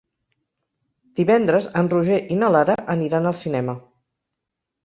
Divendres en Roger i na Lara aniran al cinema.